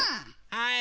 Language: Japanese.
はい！